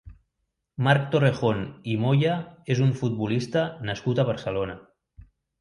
Marc Torrejón i Moya és un futbolista nascut a Barcelona.